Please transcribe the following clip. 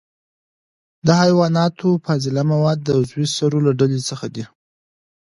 د حیواناتو فضله مواد د عضوي سرو له ډلې څخه دي.